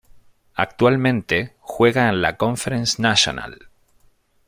Actualmente juega en la Conference National.